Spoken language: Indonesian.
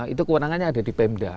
itu kewenangannya ada di pemda